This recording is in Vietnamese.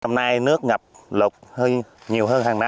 năm nay nước ngập lục nhiều hơn hàng năm